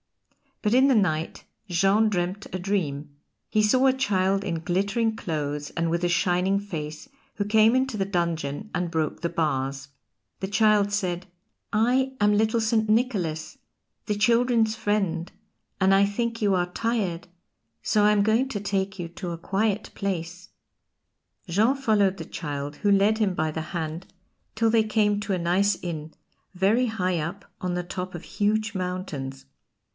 But in the night Jean dreamed a dream: he saw a child in glittering clothes and with a shining face who came into the dungeon and broke the bars. The child said: "I am little St. Nicholas, the children's friend, and I think you are tired, so I'm going to take you to a quiet place." Jean followed the child, who led him by the hand till they came to a nice inn, very high up on the top of huge mountains.